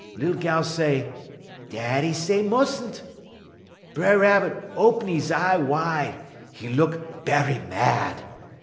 "Lil gal say: 'Daddy say mus'n'.' "B'er Rabbit open 'e y eye wide; 'e is look berry mad.